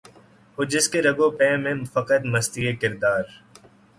ہو جس کے رگ و پے میں فقط مستی کردار